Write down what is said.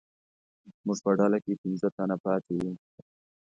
زموږ په ډله کې پنځه تنه پاتې وو.